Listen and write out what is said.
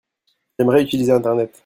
J'aimerais utiliser l'Internet.